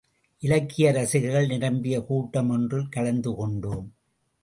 இலக்கிய ரசிகர்கள் நிரம்பிய கூட்டம் ஒன்றில் கலந்து கொண்டோம்.